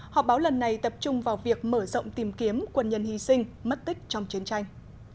họp báo lần này tập trung vào việc mở rộng tìm kiếm quân nhân hy sinh mất tích trong chiến tranh